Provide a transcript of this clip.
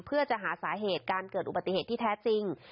เพื่อจะหาสาเหตุการเกิดอุบัติเหตุที่แท้จริง